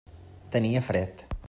Tenia fred.